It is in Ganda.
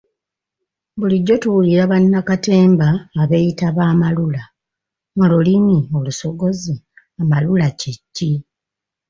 Bulijjo tuwulira bannakatemba abeeyita ba ‘amalula’, mu lulimi olusogozi amalula kye ki?